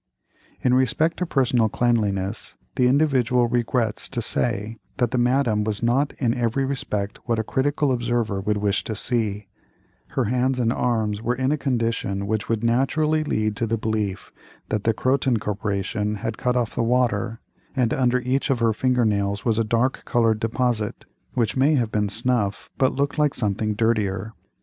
In respect to personal cleanliness, the Individual regrets to say that the Madame was not in every respect what a critical observer would wish to see; her hands and arms were in a condition which would naturally lead to the belief that the Croton Corporation had cut off the water; and under each of her finger nails was a dark colored deposit, which may have been snuff, but looked like something dirtier.